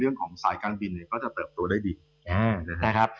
ละครับ